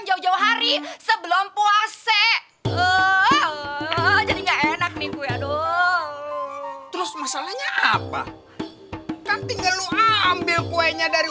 jauh jauh hari sebelum puasih cuaduk terus masalahnya apa kan tinggal ngambil kuenya dari